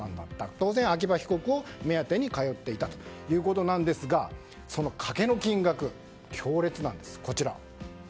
当然、秋葉被告を目当てに通っていたということですがそのカケの金額、強烈なんです。